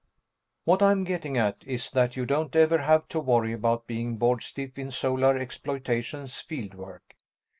_] What I'm getting at is that you don't ever have to worry about being bored stiff in Solar Exploitations field work.